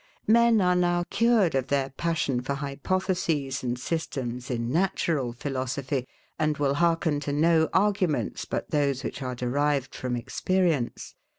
Men are now cured of their passion for hypotheses and systems in natural philosophy, and will hearken to no arguments but those which are derived from experience.